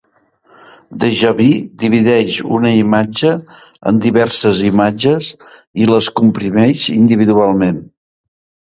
DjVu divideix una imatge en diverses imatges, i les comprimeix individualment.